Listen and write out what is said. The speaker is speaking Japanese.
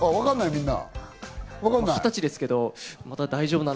みんな。